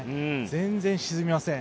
全然沈みません。